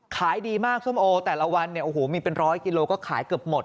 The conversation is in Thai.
ขายดีมากส้มโอแต่ละวันเนี่ยโอ้โหมีเป็นร้อยกิโลก็ขายเกือบหมด